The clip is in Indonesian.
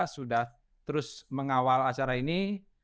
sudah terus mengawal acara ini